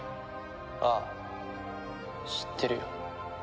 ああ知ってるよ。